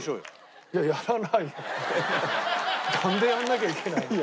なんでやんなきゃいけないんだ。